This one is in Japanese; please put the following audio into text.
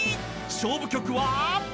［勝負曲は］